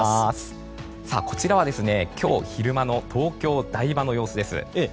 こちらは今日昼間の東京・台場の様子です。